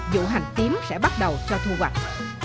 vụ hành tím sẽ bắt đầu cho thu hoạch